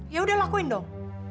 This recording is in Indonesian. yaudah lakuin dong